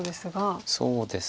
そうです。